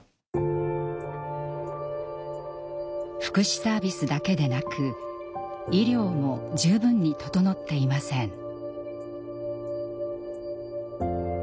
福祉サービスだけでなく医療も十分に整っていません。